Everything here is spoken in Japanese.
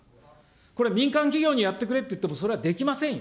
これ民間企業にやってくれって言ってもそれはできませんよ。